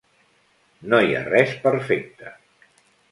No hi ha res perfecte.